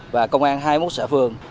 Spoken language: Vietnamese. và công an hai mươi một xã phường